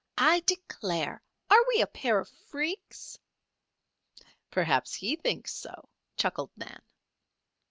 I declare! Are we a pair of freaks?" "Perhaps he thinks so," chuckled Nan.